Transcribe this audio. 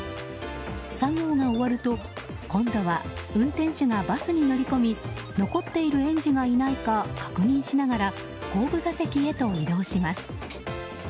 作業が終わると今度は運転手がバスに乗り込み残っている園児がいないか確認しながら後部座席へと移動します。